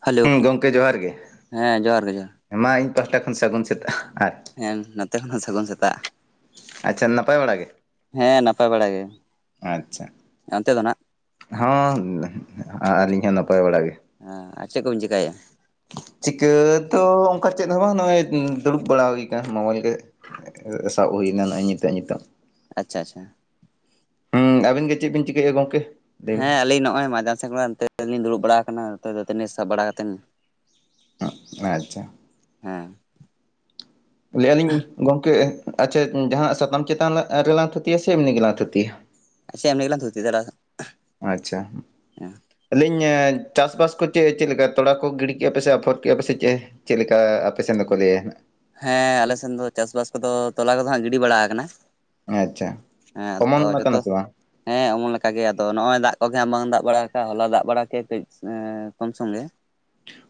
Hello ᱦᱩᱸ ᱜᱚᱢᱠᱮ ᱡᱚᱦᱟᱨ ᱜᱮ ᱦᱮᱸ ᱡᱚᱦᱟᱨ ᱜᱮ ᱡᱚᱦᱟᱨ ᱢᱟ ᱤᱧ ᱯᱟᱦᱴᱟ ᱠᱷᱚᱱ ᱥᱟᱹᱜᱩᱱ ᱥᱮᱛᱟᱜ ᱟᱨ ᱦᱮᱸᱢ ᱱᱚᱛᱮ ᱠᱷᱚᱱ ᱦᱚᱸ ᱥᱟᱹᱜᱩᱱ ᱥᱮᱛᱟᱜ, ᱟᱪᱪᱷᱟ ᱱᱟᱯᱟᱭ ᱵᱟᱲᱟᱜ ᱜᱮ? ᱦᱮᱸ ᱱᱟᱯᱟᱭ ᱵᱟᱲᱟ ᱜᱮ ᱾ ᱟᱪᱪᱷᱟ ᱦᱚᱸ, ᱟᱹᱞᱤᱧ ᱦᱚᱸ ᱱᱟᱯᱟᱭ ᱵᱟᱲᱟᱜ ᱜᱮ? ᱦᱮᱸ ᱟᱨ ᱪᱮᱫ ᱠᱚᱵᱤᱱ ᱪᱮᱠᱟ ᱭᱮᱜᱼᱟ? ᱪᱤᱠᱟᱹ ᱛᱚ ᱚᱱᱠᱟ ᱪᱮᱫ ᱦᱚᱸ ᱵᱟᱝ ᱱᱚᱜᱼᱚᱭ ᱫᱩᱲᱩᱵ ᱵᱟᱲᱟ ᱦᱩᱭ ᱟᱠᱟᱱᱟ ᱢᱳᱵᱟᱭᱤᱞ ᱜᱮ ᱥᱟᱵ ᱦᱩᱭ ᱱᱟ ᱱᱚᱜ ᱚᱭ ᱱᱤᱛᱚᱜ ᱱᱤᱛᱚᱜ᱾ ᱟᱪᱪᱷᱟ, ᱟᱪᱪᱷᱟ, ᱦᱩᱢ ᱟᱵᱤᱱ ᱜᱮ ᱪᱮᱫ ᱵᱤᱱ ᱪᱤᱠᱟᱹ ᱮᱭᱼᱟ ᱜᱚᱝᱠᱮ? ᱞᱟᱹᱭ ᱵᱤᱱ ᱦᱮᱸ ᱟᱹᱞᱤᱧ ᱱᱚᱜᱼᱚᱭ [unintelligible] ᱱᱚᱛᱮᱞᱤᱧ ᱫᱩᱲᱩᱵ ᱵᱟᱲᱟ ᱟᱠᱟᱱᱟ ᱱᱚᱛᱮ ᱫᱟᱹᱛᱟᱱᱤ ᱥᱟᱵ ᱵᱟᱲᱟ ᱠᱟᱛᱮᱱ ᱟ ᱟᱪᱪᱷᱟ, ᱦᱮᱸ, ᱞᱟᱹᱭᱮᱜᱼᱟ ᱞᱤᱧ ᱜᱚᱝᱠᱮ ᱟᱪᱷᱟ ᱡᱟᱦᱟᱸ ᱥᱟᱛᱟᱢ ᱪᱮᱛᱟᱱ ᱨᱮ ᱨᱮᱞᱟᱝ ᱛᱷᱩᱛᱤᱭᱟ ᱥᱮ ᱮᱢᱱᱤ ᱜᱮ ᱞᱟᱝ ᱛᱷᱩᱛᱤᱭᱟ ᱪ ᱮᱢ [unintelligible] ᱟᱪᱷᱟ, ᱞᱟᱭᱤᱧ ᱪᱟᱥᱵᱟᱥ ᱠᱚ ᱪᱮᱫ ᱪᱮᱫ ᱞᱮᱠᱟ ᱛᱚᱲᱟ ᱠᱚ ᱜᱤᱰᱤ ᱠᱮᱫᱼᱟ ᱯᱮ ᱥᱮ ᱟᱯᱷᱚᱨ ᱠᱮᱫᱼᱟ ᱯᱮᱥᱮ ᱪᱮ ᱪᱮᱫ ᱞᱮᱠᱟ ᱟᱯᱮ ᱥᱮᱫ ᱫᱚᱠᱚ ᱞᱟᱹᱭᱟ ᱦᱟᱜ ᱦᱮᱸ ᱟᱞᱮ ᱥᱮᱱ ᱫᱚ ᱪᱟᱥᱵᱟᱥ ᱠᱚᱫᱚ ᱛᱚᱞᱟ ᱠᱚᱫᱚ ᱦᱟᱜ ᱜᱤᱰᱤ ᱵᱟᱲᱟ ᱟᱠᱟᱱᱟ ᱟᱪᱷᱟ ᱦᱮᱸ ᱚᱢᱚᱱ ᱟᱫᱚ ᱠᱟᱱᱟ ᱡᱚᱛᱚ ᱥᱮ ᱵᱟᱝ ᱦᱮᱸ ᱚᱢᱚᱱ ᱞᱮᱠᱟ ᱜᱮ ᱟᱫᱚ ᱱᱚᱜᱼᱚᱭ ᱫᱟᱜ ᱠᱚᱜᱮ ᱵᱟᱝ ᱫᱟᱜ ᱵᱟᱲᱟ ᱠᱟᱜᱼᱟ ᱦᱚᱞᱟ ᱫᱟᱜ ᱵᱟᱲᱟ ᱠᱮᱭᱟ ᱠᱟᱹᱡ ᱠᱚᱢ ᱥᱚᱝᱜᱮ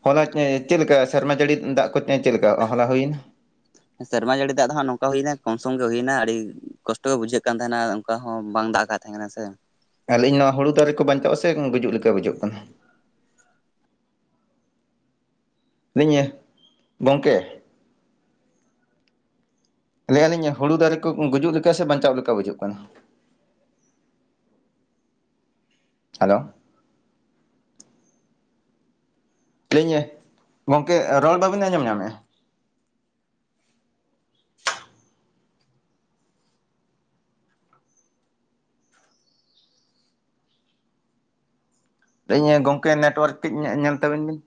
ᱦᱚᱞᱟ ᱪᱮᱫ ᱞᱮᱠᱟ ᱥᱮᱨᱢᱟ ᱡᱟᱹᱲᱤ ᱫᱟᱜ ᱠᱚᱛᱮ ᱪᱮᱫ ᱞᱮᱠᱟ ᱦᱚᱞᱟ ᱦᱩᱭᱮᱱ ᱥᱮᱨᱢᱟ ᱡᱟᱹᱲᱤ ᱫᱟᱜ ᱫᱚ ᱦᱟᱸᱜ ᱱᱚᱝᱠᱟ ᱦᱩᱭᱱᱟ ᱠᱚᱢᱥᱚᱢ ᱜᱮ ᱦᱩᱭᱱᱟ ᱟᱹᱰᱤ ᱠᱚᱥᱴᱚ ᱜᱮ ᱵᱩᱡᱷᱟᱹᱜ ᱠᱟᱱ ᱛᱟᱦᱮᱱᱟ ᱚᱝᱠᱟ ᱦᱚᱸ ᱵᱟᱝ ᱫᱟᱜ ᱠᱟᱜ ᱛᱟᱦᱮᱱᱟ ᱥᱮ ᱟᱹᱞᱤᱧ ᱱᱚᱣᱟ ᱦᱩᱲᱩ ᱫᱟᱨᱮ ᱠᱚ ᱵᱟᱧᱪᱟᱜᱼᱟ ᱥᱮ ᱜᱩᱡᱩᱜ ᱞᱮᱠᱟ ᱵᱩᱡᱩᱜ ᱠᱟᱱᱟ ᱞᱟᱹᱭ ᱤᱧ ᱜᱚᱢᱠᱮ ᱞᱟᱹᱭᱟᱞᱤᱧ ᱦᱩᱲᱩ ᱫᱟᱨᱮ ᱠᱚ ᱜᱩᱡᱩᱜ ᱞᱮᱠᱟ ᱥᱮ ᱵᱟᱧᱪᱟᱣ ᱞᱮᱠᱟ ᱵᱩᱡᱩᱜ ᱠᱟᱱᱟ ᱦᱟᱞᱳ ᱞᱟᱹᱭᱤᱧ ᱜᱚᱢᱠᱮ ᱨᱚᱲ ᱵᱟᱹᱵᱤᱱ ᱟᱸᱡᱚᱢ ᱧᱟᱢᱮᱼᱟ ᱞᱟᱭᱹᱤᱧ ᱜᱚᱝᱠᱮ ᱱᱮᱴᱣᱟᱨᱠ ᱠᱟᱹᱡ ᱧᱮᱞ ᱛᱟᱵᱤᱱ ᱵᱤᱱ